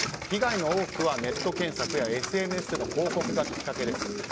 被害の多くはネット検索やＳＮＳでの広告がきっかけですと。